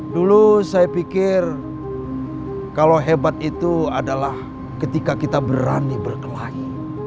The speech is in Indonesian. dulu saya pikir kalau hebat itu adalah ketika kita berani berkelahi